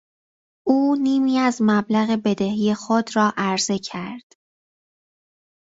او نیمی از مبلغ بدهی خود را عرضه کرد.